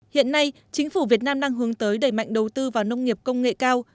hiện nay chính phủ việt nam đang hướng tới đẩy mạnh đầu tư vào nông nghiệp công nghệ cao